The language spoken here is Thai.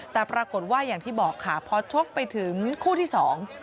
แต่ปรากฏว่าอย่างที่บอกค่ะพอชกไปถึงคู่ที่สอง